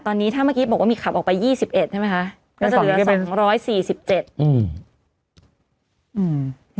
ตอนนี้ถ้าเมื่อกี้บอกว่ามีขับออกไปยี่สิบเอ็ดใช่ไหมคะก็จะเหลือสองร้อยสี่สิบเจ็ดอืม